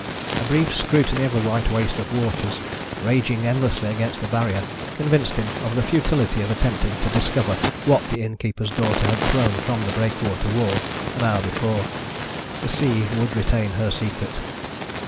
A brief scrutiny of the white waste of waters, raging endlessly against the barrier, convinced him of the futility of attempting to discover what the innkeeper's daughter had thrown from the breakwater wall an hour before. The sea would retain her secret.